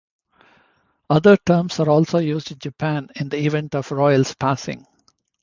Other terms are also used in Japan, in the event of a royal's passing.